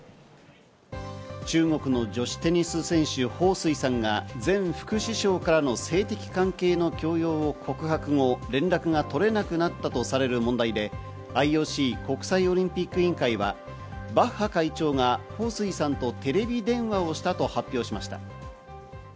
中国の女子テニス選手、ホウ・スイさんが前副首相からの性的関係の強要を告白後、連絡がとれなくなったとされる問題でＩＯＣ＝国際オリンピック委員会はバッハ会長がホウ・スイさんとテレビ電話をしたと発表しました。